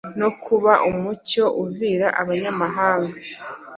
no kuba umucyo uvira abanyamahanga,